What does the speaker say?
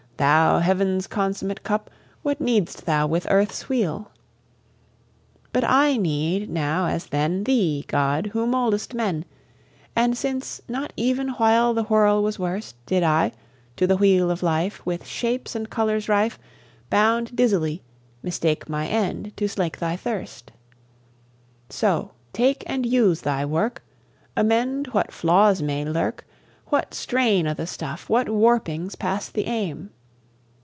Thou, heaven's consummate cup, what need'st thou with earth's wheel? But I need, now as then, Thee, God, who mouldest men; And since, not even while the whirl was worst Did I, to the wheel of life With shapes and colours rife, Bound dizzily, mistake my end, to slake Thy thirst: So, take and use Thy work: Amend what flaws may lurk, What strain o' the stuff, what warpings past the aim!